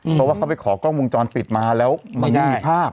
เพราะว่าเขาไปขอกล้องวงจรปิดมาแล้วมันไม่มีภาพ